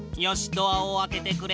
ドアを開けてくれ。